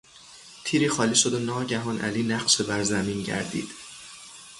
تیری خالی شد و ناگهان علی نقش بر زمین گردید.